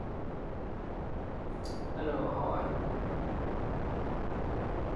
There are several versions how the city derived its name.